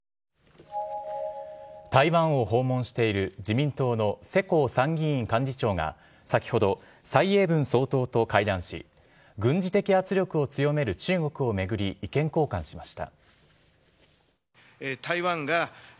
台湾を訪問している自民党の世耕参議院幹事長が先ほど、蔡英文総統と会談し軍事的圧力を強める中国を巡り意見交換しました。